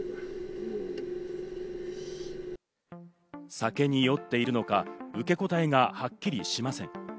酒に酔っているのか、受け答えがはっきりしません。